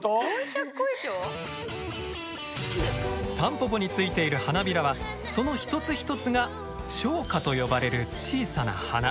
タンポポについている花びらはその一つ一つが小花と呼ばれる小さな花。